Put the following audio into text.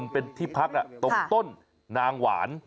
เป็นที่พักตรงต้นนางหวาน